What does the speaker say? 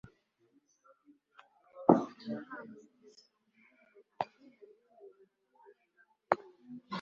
Rick yategereje iminota mike kuko yatekerezaga